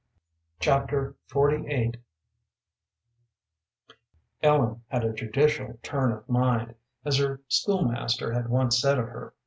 Chapter XLVIII Ellen had a judicial turn of mind, as her school master had once said of her.